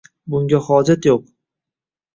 Bunga hojat yo'q! 😉